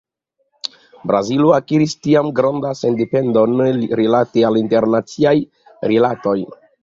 Brazilo akiris tiam grandan sendependon rilate al internaciaj rilatoj.